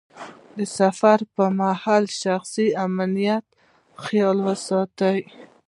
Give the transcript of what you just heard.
د سفر پر مهال د شخصي امنیت خیال وساته.